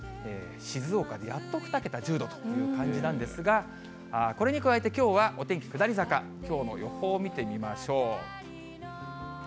静岡でやっと２桁、１０度という感じなんですが、これに加えてきょうはお天気下り坂、きょうの予報を見てみましょう。